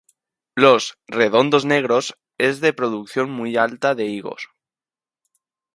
Los 'Redondos Negros' es de producción muy alta de higos.